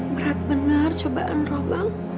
berat bener cobaan roh bang